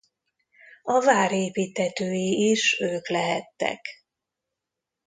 A vár építtetői is ők lehettek.